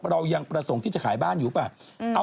เรายังประสงค์ที่จะขายบ้านอยู่ป่ะ